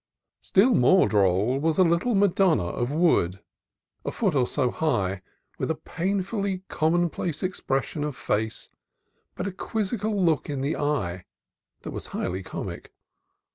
Still more droll was a little Ma donna of wood, a foot or so high, with a painfully commonplace expression of face, but a quizzical look in the eye that was highly comic.